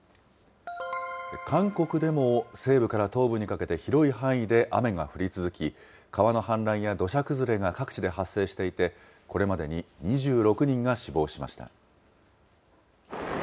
韓国でも西部から東部にかけて、広い範囲で雨が降り続き、川の氾濫や土砂崩れが各地で発生していて、これまでに２６人が死亡しました。